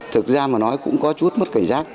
thực ra mà nói cũng có chút mất cảnh giác